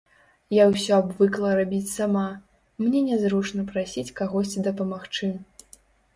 Я ўсё абвыкла рабіць сама, мне нязручна прасіць кагосьці дапамагчы.